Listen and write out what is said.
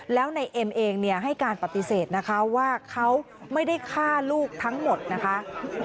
แล้วในเอ็มเองให้การปฏิเสธนะคะว่าเขาไม่ได้ฆ่าลูกทั้งหมดนะคะ